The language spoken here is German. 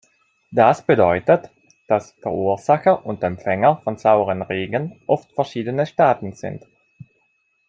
Das bedeutet, dass Verursacher und Empfänger von saurem Regen oft verschiedene Staaten sind.